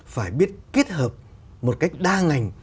phải biết kết hợp một cách đa ngành